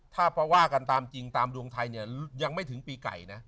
ถ้าเพราะว่ากันตามจริงตามดวงไทยเนี่ยยังไม่ถึงปีไก่นะ